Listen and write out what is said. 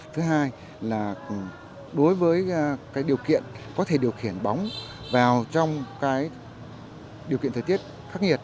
thứ hai là đối với điều kiện có thể điều khiển bóng vào trong điều kiện thời tiết khắc nghiệt